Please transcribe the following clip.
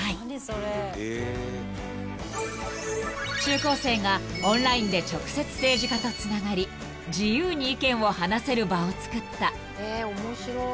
［中高生がオンラインで直接政治家とつながり自由に意見を話せる場をつくった］